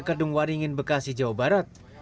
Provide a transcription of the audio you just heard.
kedung waringin bekasi jawa barat